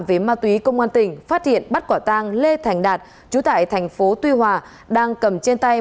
về ma túy công an tp yên phát hiện bắt quả tang lê thành đạt chú tải tp tuy hòa đang cầm trên tay